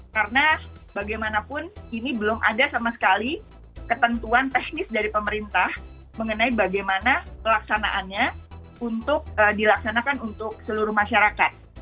karena bagaimanapun ini belum ada sama sekali ketentuan teknis dari pemerintah mengenai bagaimana pelaksanaannya untuk dilaksanakan untuk seluruh masyarakat